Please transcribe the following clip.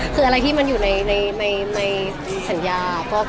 คืออะไรที่มันอยู่ในสัญญา